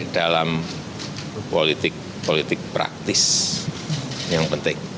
dalam politik politik praktis yang penting